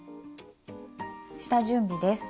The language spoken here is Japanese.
下準備です。